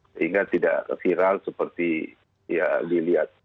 sehingga tidak viral seperti dilihat